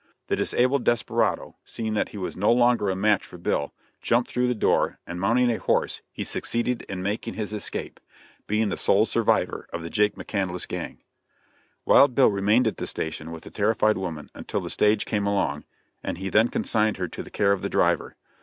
The disabled desperado, seeing that he was no longer a match for Bill, jumped through the door, and mounting a horse he succeeded in making his escape being the sole survivor of the Jake McCandless gang. Wild Bill remained at the station with the terrified woman until the stage came along, and he then consigned her to the care of the driver.